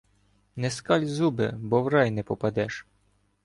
Не скаль зуби, бо в рай не попадеш.